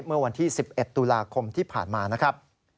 เมื่อวันที่๑๑ตุลาคมที่ผ่านมานะครับ